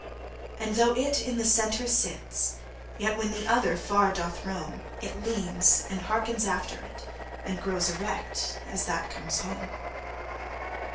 And though it in the center sit, Yet when the other far doth rome, It leanes, andhearkens after it, And growes erect, as that comes home.